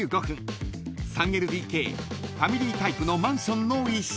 ［ファミリータイプのマンションの一室］